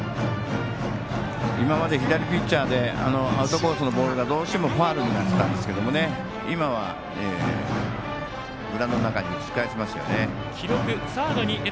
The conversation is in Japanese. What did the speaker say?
今まで左ピッチャーでアウトコースのボールがどうしてもファウルになってたんですけど今はグラウンドの中に打ち返されましたよね。